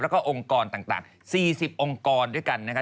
แล้วก็องค์กรต่าง๔๐องค์กรด้วยกันนะครับ